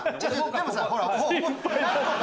でもさほらほら。